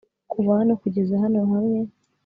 kuva hano kugeza hano hamwe